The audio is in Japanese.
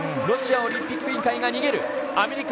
ロシアオリンピック委員会が逃げる。